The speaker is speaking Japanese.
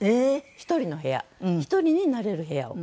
１人の部屋１人になれる部屋を。